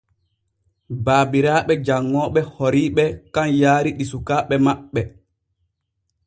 Baabiraaɓe janŋooɓe horiiɓe kan yaari ɗi sukaaɓe maɓɓe.